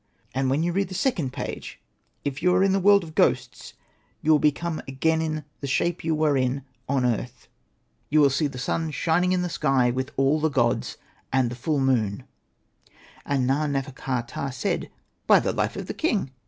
And when you read the second page, if you are in the world of ghosts, you will become again in the shape you were in on earth. You will Hosted by Google 94 SETNA AND THE MAGIC BOOK see the sun shining in the sky, with all the gods, and the full moon.' '^ And Na.nefer.ka.ptah said, ' By the life of the king